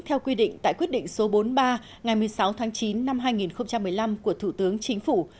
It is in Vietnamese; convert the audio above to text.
theo quy định tại quyết định số bốn mươi ba ngày một mươi sáu tháng chín năm hai nghìn một mươi năm của thủ tướng chính phủ